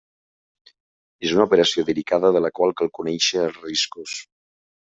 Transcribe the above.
És una operació delicada de la qual cal conèixer els riscos.